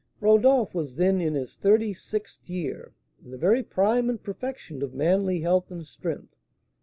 Rodolph was then in his thirty sixth year, in the very prime and perfection of manly health and strength.